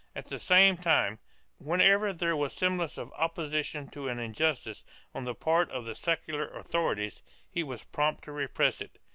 At the same time, whenever there was the semblance of opposition to an injustice, on the part of the secular authorities, he was prompt to repress it.